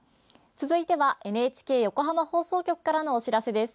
続いてはＮＨＫ横浜放送局からのお知らせです。